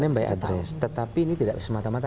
buy name buy address tetapi ini tidak semata mata